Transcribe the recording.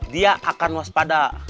dia akan waspada